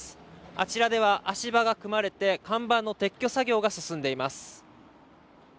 あちらでは足場が組まれて、看板の撤去作業が進んでいます。